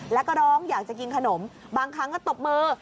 แล้วก็ร้องอยากจะกินขนมบางครั้งก็ตบมือ